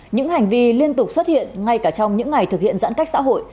những hành vi liên tục xuất hiện ngay cả trong những ngày thực hiện giãn cách xã hội